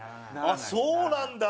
あっそうなんだ。